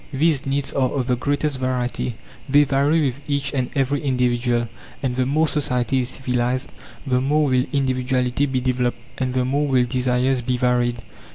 These needs are of the greatest variety; they vary with each and every individual; and the more society is civilized, the more will individuality be developed, and the more will desires be varied.